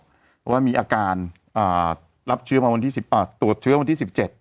เพราะว่ามีอาการอ่ารับเชื้อมาวันที่สิบอ่าตรวจเชื้อวันที่สิบเจ็ด